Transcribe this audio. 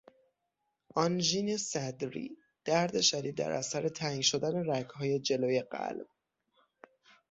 آنژین صدری، درد شدید در اثر تنگ شدن رگهای جلوی قلب